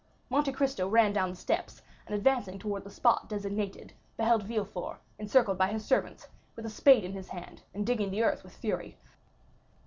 Monte Cristo ran down the steps, and advancing towards the spot designated beheld Villefort, encircled by his servants, with a spade in his hand, and digging the earth with fury.